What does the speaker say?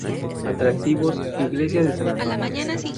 Atractivos: iglesia de San Antonio.